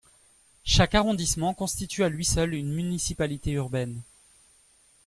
Chaque arrondissement constitue à lui seul une municipalité urbaine.